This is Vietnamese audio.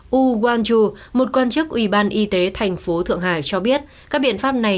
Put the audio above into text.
wu guangzhu một quan chức ủy ban y tế thành phố thượng hải cho biết các biện pháp này